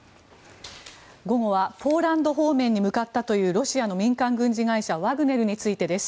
午後はポーランド方面に向かったというロシアの民間軍事会社ワグネルについてです。